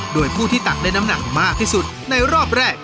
โดยผู้ที่ตักได้น้ำหนักมากที่สุดในรอบแรก